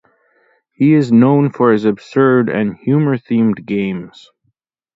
He is known for his absurd and humour-themed games.